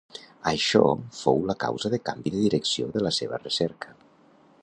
Això fou la causa de canvi de direcció de la seva recerca.